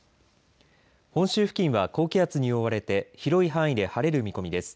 本州付近は高気圧に覆われて広い範囲で晴れる見込みです。